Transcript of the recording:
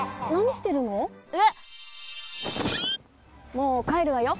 もうかえるわよ。